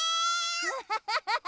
ハハハハハ。